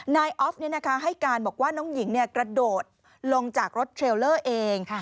นายออฟให้การบอกว่าน้องหญิงกระโดดลงจากรถเทรลเลอร์เอง